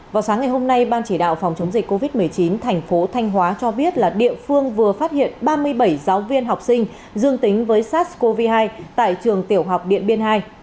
vào sáng ngày hôm nay ban chỉ đạo phòng chống dịch covid một mươi chín thành phố thanh hóa cho biết là địa phương vừa phát hiện ba mươi bảy giáo viên học sinh dương tính với sars cov hai tại trường tiểu học điện biên hai